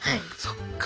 そっか。